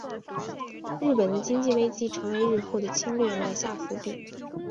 日本的经济危机成为日后的侵略埋下伏笔。